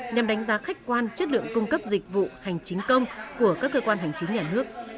nhằm đánh giá khách quan chất lượng cung cấp dịch vụ hành chính công của các cơ quan hành chính nhà nước